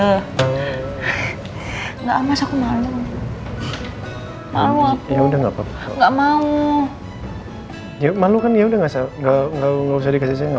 enggak mas aku biasanya malu malu gitu udah nggak mau dium malu kan iya udah nggak